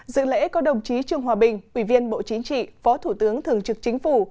dự lễ có đồng chí trương hòa bình ủy viên bộ chính trị phó thủ tướng thường trực chính phủ